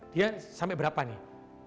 dia sampai berapa nih